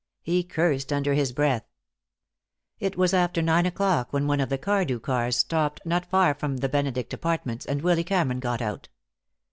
He cursed under his breath. It was after nine o'clock when one of the Cardew cars stopped not far from the Benedict Apartments, and Willy Cameron got out.